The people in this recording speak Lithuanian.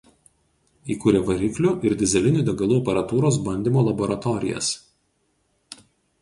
Įkūrė variklių ir dyzelinių degalų aparatūros bandymo laboratorijas.